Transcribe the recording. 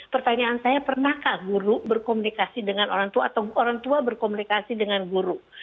pertanyaan saya pernahkah guru berkomunikasi dengan orang tua atau orang tua berkomunikasi dengan guru